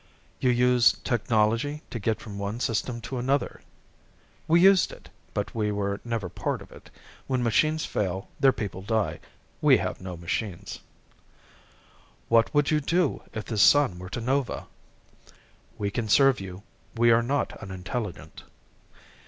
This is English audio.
"You used technology to get from one system to another." "We used it, but we were never part of it. When machines fail, their people die. We have no machines." "What would you do if this sun were to nova?" "We can serve you. We are not unintelligent."